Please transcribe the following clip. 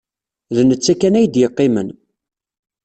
D netta kan ay d-yeqqimen.